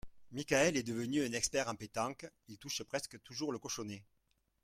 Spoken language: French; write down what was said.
Michaël est devenu un expert en pétanque, il touche presque toujours le cochonnet